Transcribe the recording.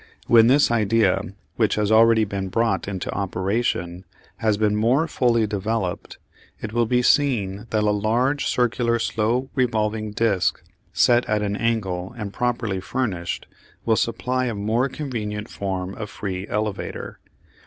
When this idea, which has already been brought into operation, has been more fully developed, it will be seen that a large circular slowly revolving disc, set at an angle and properly furnished, will supply a more convenient form of free elevator.